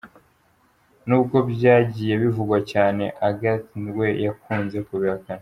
Nubwo byagiye bivugwa cyane, Agathe we yakunze kubihakana.